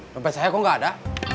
tempe saya kok gak ada